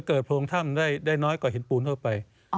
จะเกิดโผล่งถ้ำได้น้อยกว่าเห็นปูนเท่าไหร่ไป